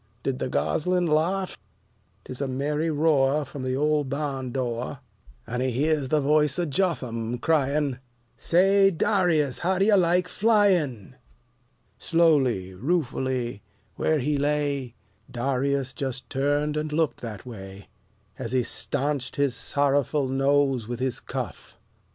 Did the gosling laugh? 'Tis a merry roar from the old barn door, And he hears the voice of Jotham crying, "Say, D'rius! how do you like flyin'?" Slowly, ruefully, where he lay, Darius just turned and looked that way, As he stanched his sorrowful nose with his cuff.